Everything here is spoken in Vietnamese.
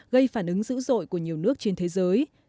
gây phản ứng dữ dội của nhiều nước trên thế giới